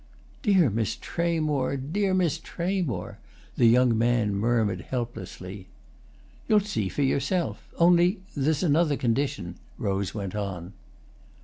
"Dear Miss Tramore—dear Miss Tramore!" the young man murmured helplessly. "You'll see for yourself. Only there's another condition," Rose went on.